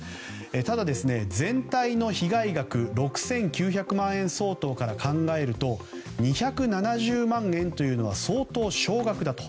ただ、全体の被害額６９００万円相当から考えると２７０万円というのは相当少額だと。